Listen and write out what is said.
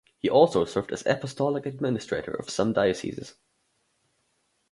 He also served as Apostolic Administrator of some dioceses.